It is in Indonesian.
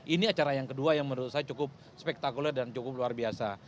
ini acara yang kedua yang menurut saya cukup spektakuler dan cukup luar biasa